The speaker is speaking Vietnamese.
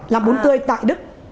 làm bún tươi tại đức